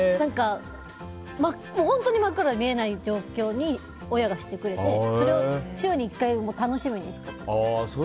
本当に真っ暗で見えない状況に親がしてくれてそれを週１回楽しみにしていた。